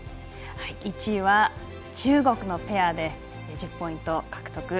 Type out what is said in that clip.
１位は中国のペアで１０ポイント獲得。